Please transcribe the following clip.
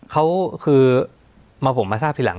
เขาคือมาผมมาทราบทีหลัง